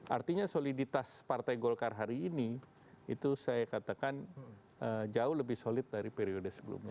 artinya soliditas partai golkar hari ini itu saya katakan jauh lebih solid dari periode sebelumnya